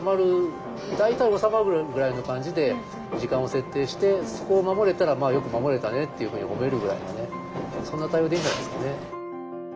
大体収まるぐらいの感じで時間を設定してそこを守れたらよく守れたねっていうふうに褒めるぐらいがねそんな対応でいいんじゃないですかね。